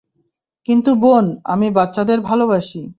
কিন্তু বোন, আমি বাচ্চাদের ভালোবাসি।